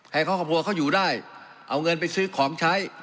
ให้ครอบครัวเขาอยู่ได้เอาเงินไปซื้อของใช้